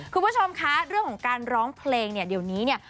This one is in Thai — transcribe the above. คุณผู้ชมคะเรื่องของการร้องเพลงเนี่ยเดี๋ยวนี้เนี่ย